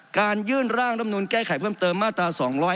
การยื่นร่างรัฐมนุนแก้ไขเพิ่มเติมมาตรา๒๗